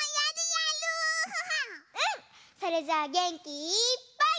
それじゃあげんきいっぱい。